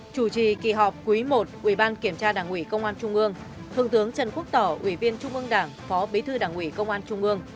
chủ trì kỳ họp quý i ủy ban kiểm tra đảng ủy công an trung ương thượng tướng trần quốc tỏ ủy viên trung ương đảng phó bí thư đảng ủy công an trung ương